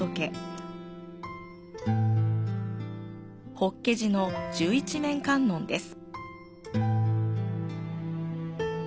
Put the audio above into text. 法華寺の十一面観音です。